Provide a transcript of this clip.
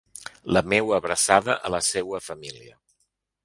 La meua abraçada a la seua família.